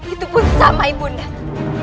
itu pun sama ibu naya